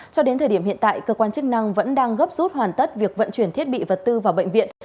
cho đến thời điểm hiện tại cơ quan chức năng vẫn đang gấp rút hoàn tất việc vận chuyển thiết bị vật tư vào bệnh viện